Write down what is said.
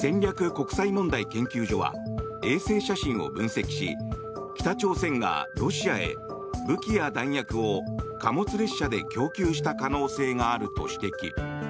国際問題研究所は衛星写真を分析し北朝鮮がロシアへ武器や弾薬を貨物列車で供給した可能性があると指摘。